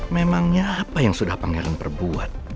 memangnya apa yang sudah pang elang perbuat